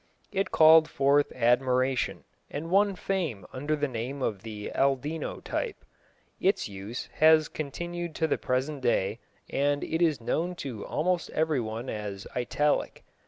It called forth admiration, and won fame under the name of the "Aldino" type. Its use has continued to the present day, and it is known to almost everyone as Italic.